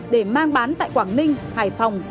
để mang bán tại quảng ninh hải phòng